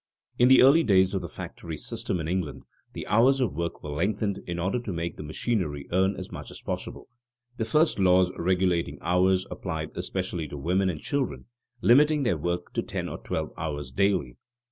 In the early days of the factory system in England, the hours of work were lengthened in order to make the machinery earn as much as possible. The first laws regulating hours applied especially to women and children, limiting their work to ten or twelve hours daily.